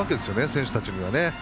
選手たちには。